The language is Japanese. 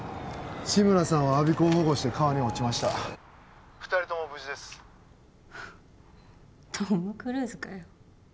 志村さんは我孫子を保護して川に落ちました二人とも無事ですトム・クルーズかよ